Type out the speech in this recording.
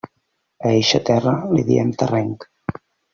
A eixa terra li diem terrenc.